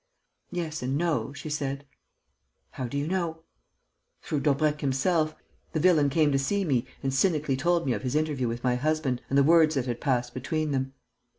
"Yes and no," she said. "How do you know?" "Through Daubrecq himself. The villain came to see me and cynically told me of his interview with my husband and the words that had passed between them.